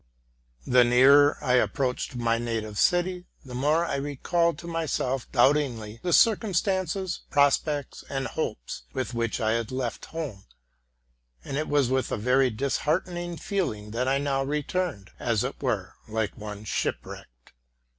The nearer I approached my native city, the more I recalled to myself doubtingly the circumstances, prospects, and hopes with which I had left home; and it was with a very dis heartening feeling that I now returned, as it were, like one shipwrecked.